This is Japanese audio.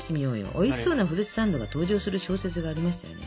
おいしそうなフルーツサンドが登場する小説がありましたよね。